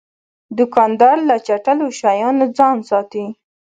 دوکاندار له چټلو شیانو ځان ساتي.